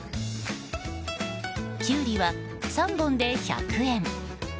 キュウリは、３本で１００円。